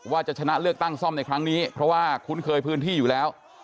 ว่าจะชนะเลือกตั้งซ่อมในครั้งนี้เพราะว่าคุ้นเคยพื้นที่อยู่แล้ว